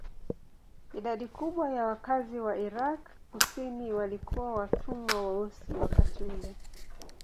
Idadi kubwa ya wakazi wa Irak kusini walikuwa watumwa weusi wakati ule.